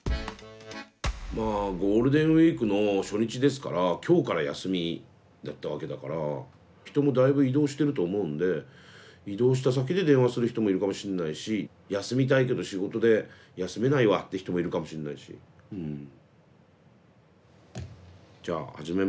まあゴールデンウイークの初日ですから今日から休みだったわけだから人もだいぶ移動してると思うんで移動した先で電話する人もいるかもしんないし「休みたいけど仕事で休めないわ」って人もいるかもしんないしうん。じゃあ始めます。